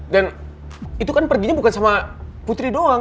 dan itu kan perginya bukan sama putri doang